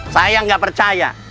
saya tidak percaya